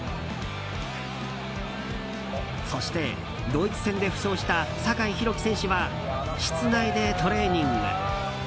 そして、ドイツ戦で負傷した酒井宏樹選手は室内でトレーニング。